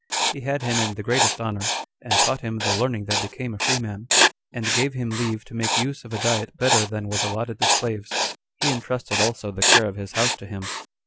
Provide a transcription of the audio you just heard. He had him in the greatest honor, and taught him the learning that became a free man, and gave him leave to make use of a diet better than was allotted to slaves. He intrusted also the care of his house to him.